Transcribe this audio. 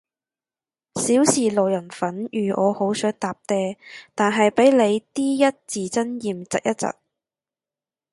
少時路人粉如我好想搭嗲，但係被你啲一字真言疾一疾